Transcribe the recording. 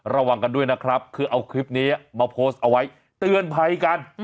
ระวังกันด้วยนะครับคือเอาคลิปนี้มาโพสต์เอาไว้เตือนภัยกัน